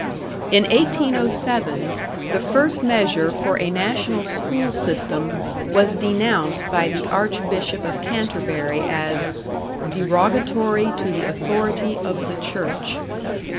In 1807 the first measure for a national school system was denounced by the Archbishop of Canterbury as "derogatory to the authority of the Church."